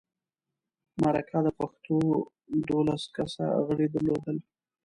مرکه د پښتو دولس کسه غړي درلودل.